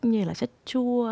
như là chất chua